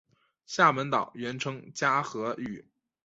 厦门岛原称嘉禾屿。